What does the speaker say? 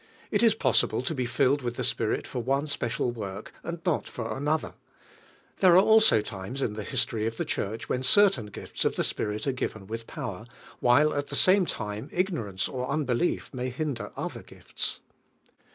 It is possible to be filled will, the Spirit for one special work and not for another, There are also times in the history of the Church when certain frills of (he SpMl are given with power, while at the same finie ignorance or unbelief may hinder other gifts.